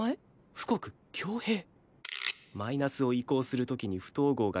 富国強兵マイナスを移項する時に不等号が逆？